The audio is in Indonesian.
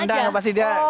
tendang pasti dia